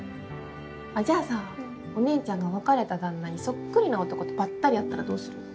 じゃあさお姉ちゃんが別れた旦那にそっくりな男とばったり会ったらどうする？